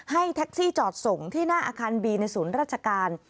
ให้แท็กซี่จอดส่งที่หน้าอาคารบีในศูนย์ราชการ